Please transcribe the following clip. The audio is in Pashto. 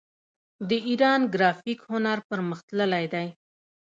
د ایران ګرافیک هنر پرمختللی دی.